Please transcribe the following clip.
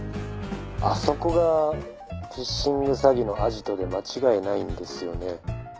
「あそこがフィッシング詐欺のアジトで間違いないんですよね？」